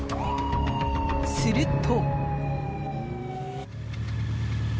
すると。